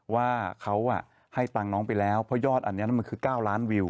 ว่าเขาให้ตังค์น้องไปแล้วเพราะยอดอันนี้มันคือ๙ล้านวิว